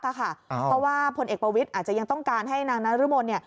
เพราะว่าพลเอกประวิทย์อาจจะยังต้องการให้นางนรมน